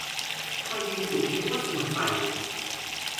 คนกินจุไม่อ้วนเสมอไป